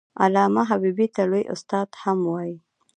علامه حبيبي ته لوى استاد هم وايي.